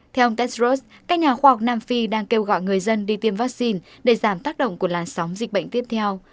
theo ông testroset các nhà khoa học nam phi đang kêu gọi người dân đi tiêm vaccine để giảm tác động của làn sóng dịch bệnh tiếp theo